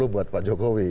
empat puluh buat pak jokowi